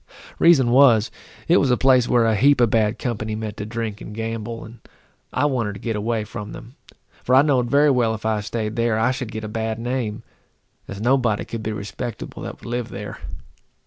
The reason was, it was a place where a heap of bad company met to drink and gamble, and I wanted to get away from them, for I know'd very well if I staid there, I should get a bad name, as nobody could be respectable that would live there.